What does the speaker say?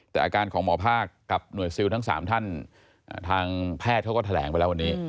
แต่อาการของหมอภาคกับหน่วยซิลทั้ง๓ท่านทางแพทย์เขาก็แถลงไปแล้ววันนี้